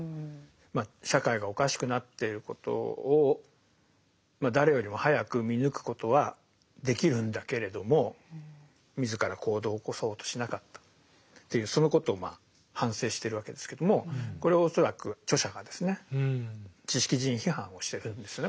まあ社会がおかしくなってることを誰よりも早く見抜くことはできるんだけれども自ら行動を起こそうとしなかったっていうそのことをまあ反省してるわけですけどもこれは恐らく著者がですね知識人批判をしてるんですよね